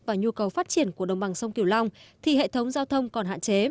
và nhu cầu phát triển của đồng bằng sông kiều long thì hệ thống giao thông còn hạn chế